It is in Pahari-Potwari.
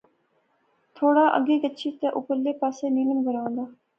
تھوڑا اگے گچھی تہ اپرلے پاسے نیلم گراں دا